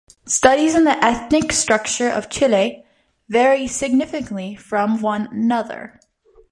Studies on the ethnic structure of Chile vary significantly from one another.